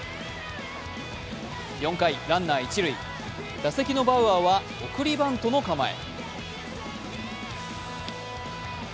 ４回、ランナー一塁、打席のバウアーは送りバントの構え。